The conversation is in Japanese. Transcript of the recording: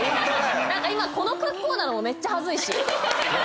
なんか今この格好なのもめっちゃ恥ずいし。